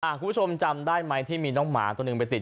คุณผู้ชมจำได้ไหมที่มีน้องหมาตัวหนึ่งไปติด